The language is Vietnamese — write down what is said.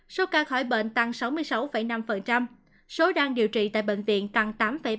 số ca khỏi bệnh tăng sáu mươi sáu năm số đang điều trị tại bệnh viện tăng tám ba